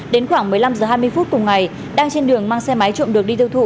đến khoảng một mươi năm h hai mươi phút cùng ngày đang trên đường mang xe máy trộm được đi tiêu thụ